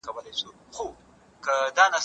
زما په نظر دا کتاب ډېر ښه دی.